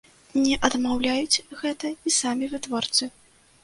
Не адмаўляюць гэта і самі вытворцы.